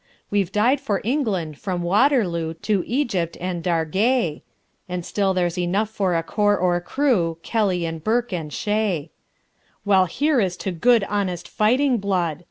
We've died for England from Waterloo To Egypt and Dargai; And still there's enough for a corps or crew, Kelly and Burke and Shea." "Well, here is to good honest fighting blood!"